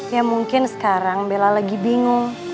ya mungkin sekarang bella lagi bingung